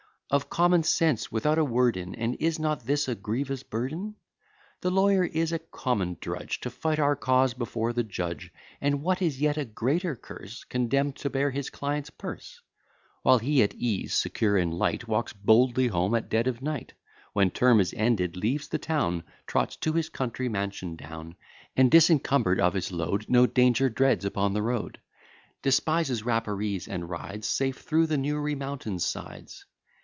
Of common sense without a word in! And is not this a grievous burden? The lawyer is a common drudge, To fight our cause before the judge: And, what is yet a greater curse, Condemn'd to bear his client's purse: While he at ease, secure and light, Walks boldly home at dead of night; When term is ended, leaves the town, Trots to his country mansion down; And, disencumber'd of his load, No danger dreads upon the road; Despises rapparees, and rides Safe through the Newry mountains' sides.